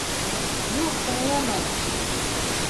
Юҡ, тыңламай.